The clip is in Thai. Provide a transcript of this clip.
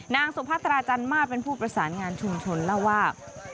นางสุพัตราจันมาตรเป็นผู้ประสานงานชุมชนเล่าว่า